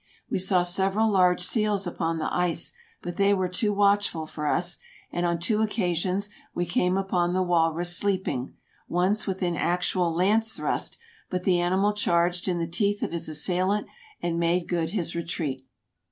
We saw several large seals upon the ice, but they were too watchful for us ; and on two occasions we came upon the walrus sleeping, once within actual lance thrust; but the animal charged in the teeth of his assailant and made good his retreat.